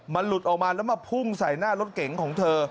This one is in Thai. มันหลุดออกมาแล้วมาพุ่งใส่หน้ารถเก๋งของเธอ